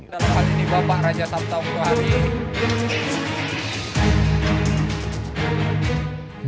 selamat hari ini bapak raja taptaw kuari